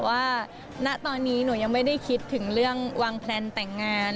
ว่าณตอนนี้หนูยังไม่ได้คิดถึงเรื่องวางแพลนแต่งงาน